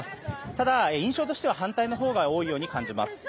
ただ、印象としては反対のほうが多いように感じます。